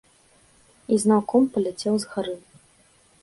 І зноў ком паляцеў з гары.